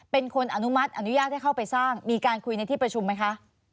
เป็นคนอนุมัติอนุญาตให้เข้าไปสร้างมีการคุยในที่ประชุมไหมคะ